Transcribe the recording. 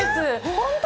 本当？